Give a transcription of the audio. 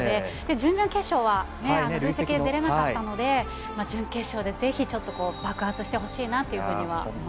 準々決勝は累積で出れなかったので準決勝でぜひ爆発してほしいなと思います。